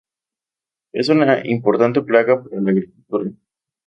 Es una importante plaga para la agricultura.